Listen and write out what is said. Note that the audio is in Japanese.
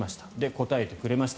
答えてくれました